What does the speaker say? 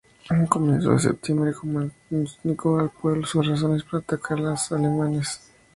A comienzos de septiembre, comunicó al pueblo sus razones para atacar a los alemanes.